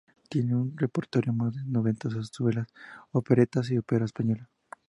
Tiene en su repertorio más de noventa zarzuelas, operetas y ópera española.